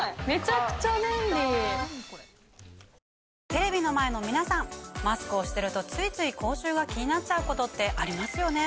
テレビの前の皆さんマスクをしてるとついつい口臭が気になっちゃうことってありますよね？